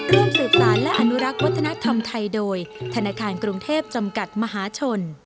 ร่วมสืบสารและอนุรักษ์วัฒนธรรมไทยโดยธนาคารกรุงเทพจำกัดมหาชน